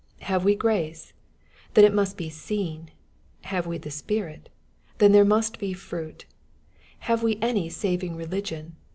Have we grace ? Then it must be seen* Have we the Spirit ? Then there must be fruitf Have we any saving religion